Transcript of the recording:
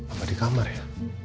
apa di kamar ya